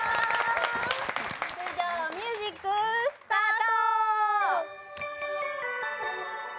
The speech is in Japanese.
それじゃミュージック、スタート！